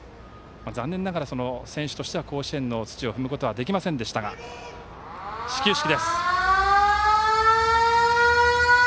残念ながら選手としては甲子園の土を踏むことはできませんでしたが始球式です。